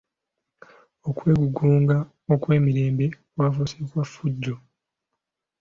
Okwegugunga okw'emirembe kwafuuse okw'effujjo.